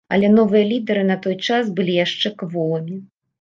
Але новыя лідэры на той час былі яшчэ кволымі.